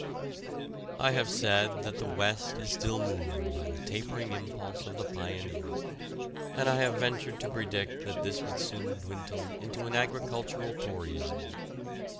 I have said that the West is still moved by the tapering impulse of the pioneer, and I have ventured to predict that this would soon dwindle into an agricultural toryism.